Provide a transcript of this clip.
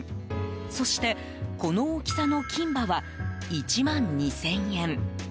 そして、この大きさの金歯は１万２０００円。